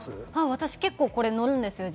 私、結構これ乗るんですよ。